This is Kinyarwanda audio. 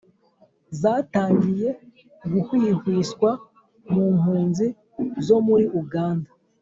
zatangiye guhwihwiswa mu mpunzi zo muri uganda,